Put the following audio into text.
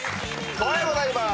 おはようございます。